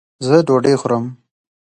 زۀ ډوډۍ خورم